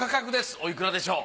おいくらでしょう？